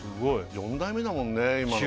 ４代目だもんね